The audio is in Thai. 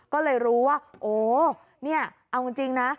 ก็เลยรู้ว่าโอ้นี่เอาจริงนะ